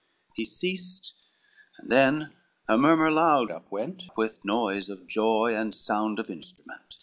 He ceased, and then a murmur loud up went, With noise of joy and sound of instrument.